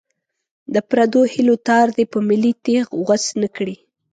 د پردو هیلو تار دې په ملي تېغ غوڅ نه کړي.